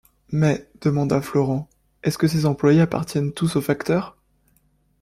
Mais, demanda Florent, est-ce que ces employés appartiennent tous aux facteurs?